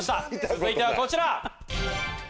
続いてはこちら。